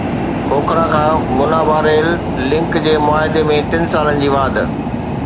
کوکھرا کان منا-با rail link جي معاهدي ۾ ٽن سالن جي واڌ